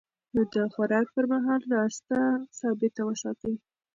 د خوراک پر مهال ناسته ثابته وساتئ.